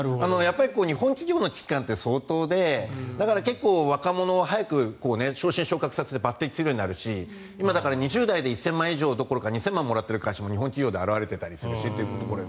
日本企業の危機感って相当でだから結構、若者を早く昇進・昇格させて抜てきするようになるしだから２０代で１０００万どころか２０００万もらってる企業も日本企業で現れていたり。